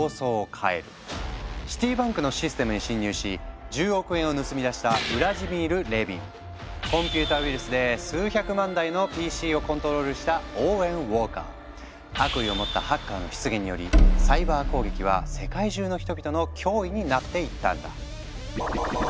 シティバンクのシステムに侵入し１０億円を盗み出したコンピューターウイルスで数百万台のＰＣをコントロールした悪意を持ったハッカーの出現によりサイバー攻撃は世界中の人々の脅威になっていったんだ。